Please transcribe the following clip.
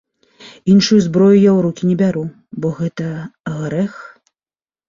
Іншую зброю я ў рукі не бяру, бо гэта грэх.